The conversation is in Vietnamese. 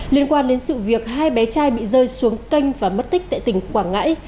liên quan đến sự việc hai bé trai bị rơi xuống kênh và mất tích tại tỉnh quảng ngãi